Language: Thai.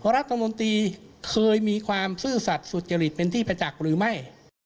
รัฐมนตรีเคยมีความซื่อสัตว์สุจริตเป็นที่ประจักษ์หรือไม่